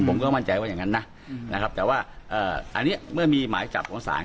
ผมก็มั่นใจว่าอย่างนั้นนะนะครับแต่ว่าอันนี้เมื่อมีหมายจับของศาล